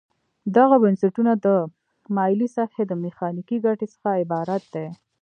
دغه نسبتونه د مایلې سطحې د میخانیکي ګټې څخه عبارت دي.